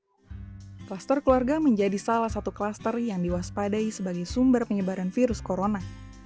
kluster keluarga menjadi salah satu kluster yang diwaspadai sebagai sumber penyebaran virus corona